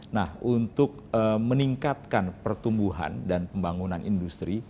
nah untuk meningkatkan pertumbuhan dan pembangunan industri